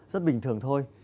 rất bình thường thôi